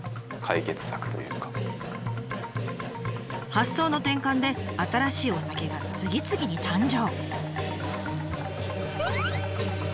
発想の転換で新しいお酒が次々に誕生。